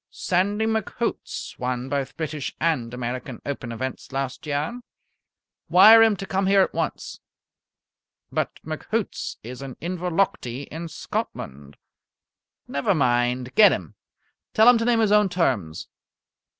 "Sandy McHoots won both British and American Open events last year." "Wire him to come here at once." "But McHoots is in Inverlochty, in Scotland." "Never mind. Get him; tell him to name his own terms.